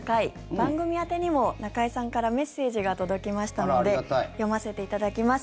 番組宛てにも、中居さんからメッセージが届きましたので読ませていただきます。